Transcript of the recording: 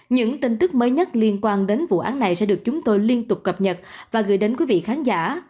những tin tức mới nhất liên quan đến vụ án này sẽ được chúng tôi liên tục cập nhật và gửi đến quý vị khán giả